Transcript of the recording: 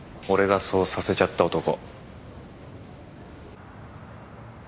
俺がそうさせちゃった男。